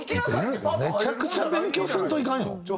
めちゃくちゃ勉強せんといかんよ！